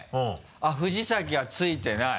藤崎はついてない。